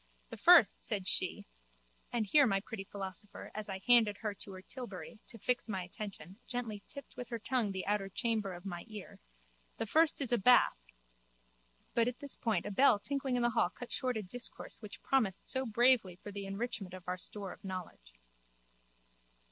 The first, said she (and here my pretty philosopher, as I handed her to her tilbury, to fix my attention, gently tipped with her tongue the outer chamber of my ear), the first is a bath... But at this point a bell tinkling in the hall cut short a discourse which promised so bravely for the enrichment of our store of knowledge.